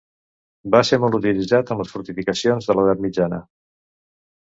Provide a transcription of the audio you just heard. Va ser molt utilitzat en les fortificacions de l'edat mitjana.